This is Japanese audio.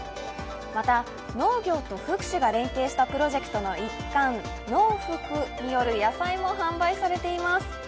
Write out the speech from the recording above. また、農業と福祉が連携したプロジェクトの一環、ノウフクによる野菜も販売されています。